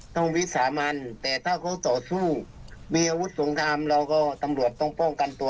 วิสามันแต่ถ้าเขาต่อสู้มีอาวุธสงครามเราก็ตำรวจต้องป้องกันตัว